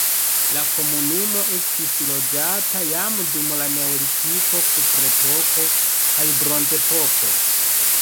La komunumo estis loĝata jam dum la neolitiko, kuprepoko kaj bronzepoko.